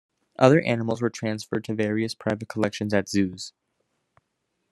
Other animals were transferred to various private collections and zoos.